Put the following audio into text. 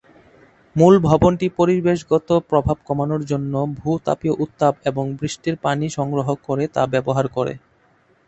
মূল ভবনটি পরিবেশগত প্রভাব কমানোর জন্য ভূ-তাপীয় উত্তাপ এবং বৃষ্টির পানি সংগ্রহে করে তা ব্যবহার করে।